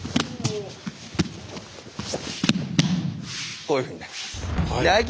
こういうふうになります。